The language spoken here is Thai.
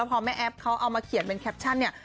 พอแม่แอฟเขาเอามาเขียนเป็นแคปชั่นเนี่ย